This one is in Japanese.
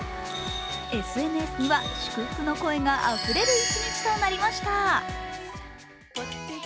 ＳＮＳには、祝福の声があふれる一日となりました。